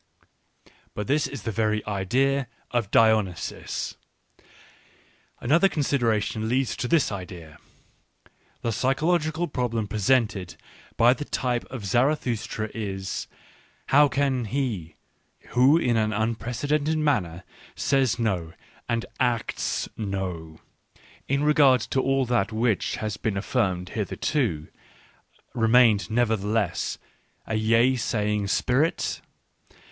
But this is the very idea of Dionysus. Another consideration leads to this idea. The psychological problem presented by the type of Zarathustra is, how can he, who in an unprecedented manner says no, and acts no, in regard to all that which has been affirmed hitherto, remain nevertheless a yea saying spirit